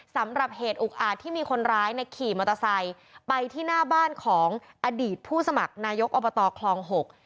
สำหรับเหตุอุกอาจที่มีคนร้ายเนี่ยขี่มอเตอร์ไซค์ไปที่หน้าบ้านของอดีตผู้สมัครนายกอบตคลองหก